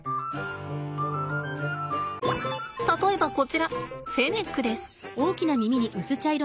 例えばこちらフェネックです。